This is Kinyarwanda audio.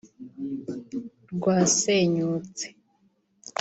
rwasenyutse